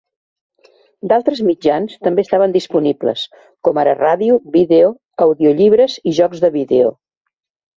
D'altres mitjans també estaven disponibles, com ara ràdio, vídeo, audiollibres i jocs de vídeo.